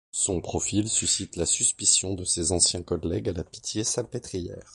Son profil suscite la suspicion de ses anciens collègues à la Pitié-Salpêtrière.